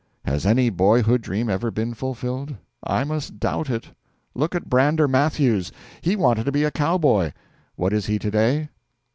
Has any boyhood dream ever been fulfilled? I must doubt it. Look at Brander Matthews. He wanted to be a cowboy. What is he to day?